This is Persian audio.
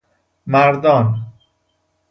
مردان